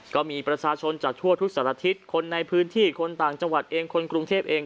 ก็มีประชาชนจากทั่วทุกสารทิศคนในพื้นที่คนต่างจังหวัดเองคนกรุงเทพเอง